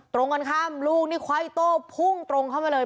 ตรงกันค่ะลูกคอยโต้พุ่งตรงเข้ามาเลย